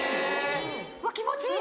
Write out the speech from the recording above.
うわ気持ちいい！